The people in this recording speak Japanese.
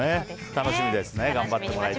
楽しみですね。